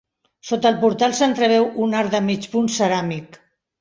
Sota el portal s'entreveu un arc de mig punt ceràmic.